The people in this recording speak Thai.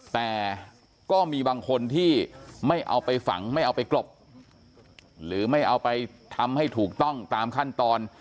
แต่ก็มีบางคนที่ไม่เอาไปฝังไม่เอาไปกลบหรือไม่เอาไปทำให้ถูกต้องตามขั้นตอน